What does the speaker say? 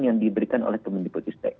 yang diberikan oleh kementerian keputristek